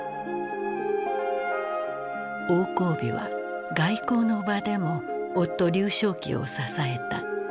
王光美は外交の場でも夫劉少奇を支えた。